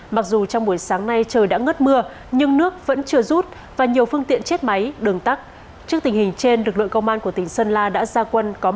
mặc dù trong buổi sáng nay trời đã ngất mưa nhưng nước vẫn chưa rút và nhiều phương tiện chết máy đường tắc